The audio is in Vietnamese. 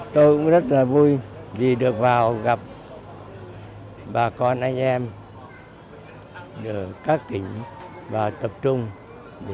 tôi cũng rất là vui vì được vào gặp bà con anh em các tỉnh và tập trung